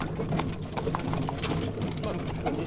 さっきと同じ２色のやつですね。